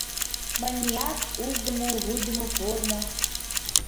Маниак... ушдымо... вуйдымо пормо...